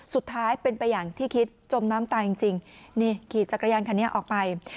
สุดท้ายเป็นไปอย่างที่คิดจมน้ำตายจริงนี่ขี่จักรยานคันนี้ออกไป